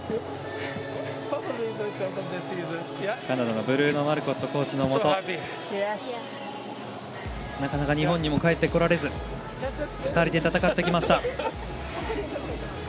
カナダのブルーノ・マルコットコーチのもとなかなか日本にも帰ってこれず２人で戦ってきました。